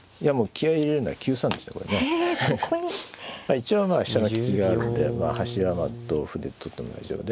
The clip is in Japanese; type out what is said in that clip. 一応まあ飛車の利きがあるんで端はまあ同歩で取っても大丈夫で。